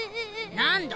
何だ？